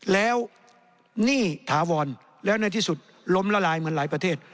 แล้วหนี้ถาวรแล้วในที่สุดล้มละลายเหมือนหลายประเทศ